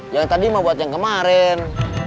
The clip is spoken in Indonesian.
yang tadi mau buat yang kemarin